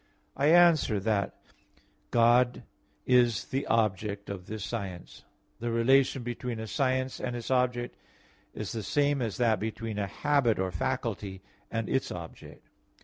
I answer that, God is the object of this science. The relation between a science and its object is the same as that between a habit or faculty and its object.